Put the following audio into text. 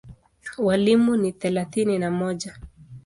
Walimu ni thelathini na mmoja.